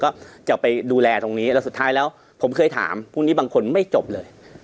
ก็จะไปดูแลตรงนี้แล้วสุดท้ายแล้วผมเคยถามพรุ่งนี้บางคนไม่จบเลย